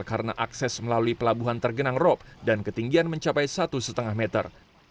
karena akses melalui pelabuhan tergenang rop dan ketinggian mencapai satu lima meter